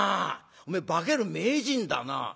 おめえ化ける名人だな。